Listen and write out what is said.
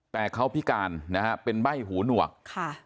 แต่เขาพิการนะครับเป็นใบ้หูหนวก